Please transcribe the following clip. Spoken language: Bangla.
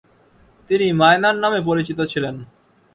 তিনি মায়নার নামে পরিচিত ছিলেন।